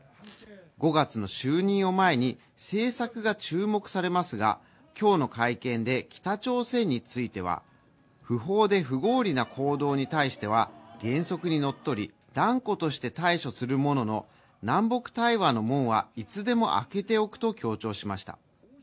５月の就任を前に政策が注目されますが今日の会見で北朝鮮については不法で不合理な行動に対しては原則に則り断固として対処するものの、南北対話の門はいつでも開けておくと強調しました。